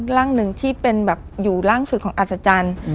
ร่างหนึ่งที่เป็นแบบอยู่ล่างสุดของอัศจรรย์